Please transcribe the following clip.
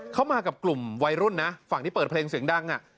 มากับกลุ่มวัยรุ่นนะฝั่งที่เปิดเพลงเสียงดัง